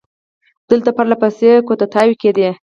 دلته پر له پسې کودتاوې کېدې.